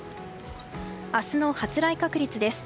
明日の発雷確率です。